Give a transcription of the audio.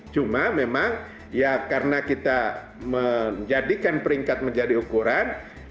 cuma memang ya karena kita menjadikan peringkat menjadi ukuran